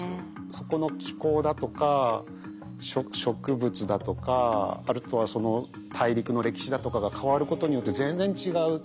そこの気候だとか植物だとかあとはその大陸の歴史だとかが変わることによって全然違う土になっちゃって。